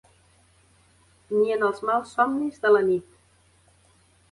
Ni en els mals somnis de la nit